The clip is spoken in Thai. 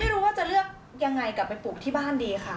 ไม่รู้ว่าจะเลือกยังไงกลับไปปลูกที่บ้านดีค่ะ